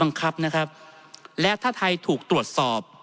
ท่านประธานครับนี่คือสิ่งที่สุดท้ายของท่านครับ